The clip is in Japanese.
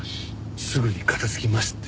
すぐに片付きますって。